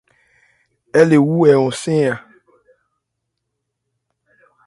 Ɛ le wu hɛ hɔnsɛ́n a.